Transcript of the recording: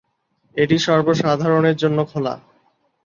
এটি সর্ব-সাধারণে জন্য খোলা।